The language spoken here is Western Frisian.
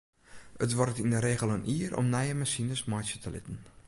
It duorret yn de regel in jier om nije masines meitsje te litten.